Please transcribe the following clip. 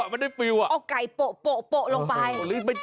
มันได้ฟิลอ่ะเอาไก่โปะลงไป